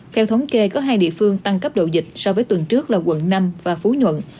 theo thống kê có hai địa phương tăng cấp độ dịch so với tuần trước là quận năm và phú nhuận